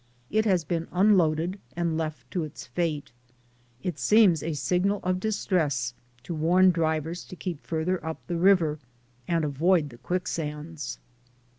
It has been unloaded and left to its fate, it seems a signal of dis tress to warn drivers to keep farther up the river and avoid the quicksands.